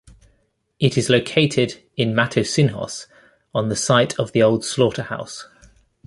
It is located in Matosinhos on the site of the old slaughterhouse.